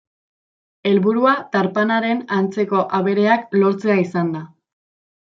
Helburua tarpanaren antzeko abereak lortzea izan da.